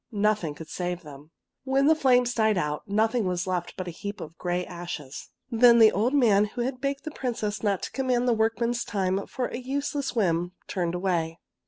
Nothing eould save them. When the flames died out, nothing was left but a heap of gray ashes. Then the old man who had begged the Prin cess not to conm:iand the workmen's time for a useless whim turned away.